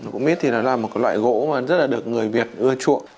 gũ mít thì là một loại gỗ mà rất là được người việt ưa chuộng